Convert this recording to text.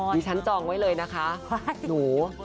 มันหอมมันรออยู่เดอร์